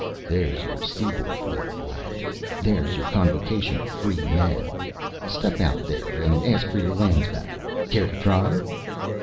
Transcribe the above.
"There's your Seaboard League, lad. There's your convocation of free men. Step out there and ask for your lands back. Care to try?"